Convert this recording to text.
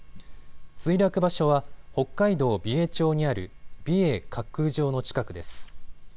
墜落場所は北海道美瑛町にある美瑛滑空場の近くです。